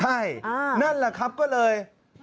ใช่นั่นแหละครับก็เลย